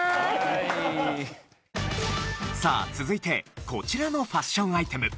さあ続いてこちらのファッションアイテム。